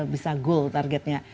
bisa goal targetnya